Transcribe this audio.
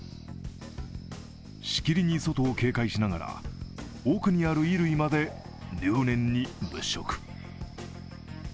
しきりに外を警戒しながら、奥にある衣類まで入念に物色。